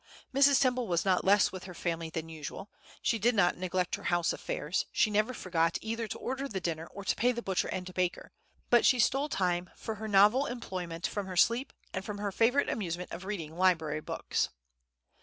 Mrs. Temple was not less with her family than usual, she did not neglect her house affairs, she never forgot either to order the dinner or to pay the butcher and baker, but she stole time for her novel employment from her sleep, and from her favorite amusement of reading library books.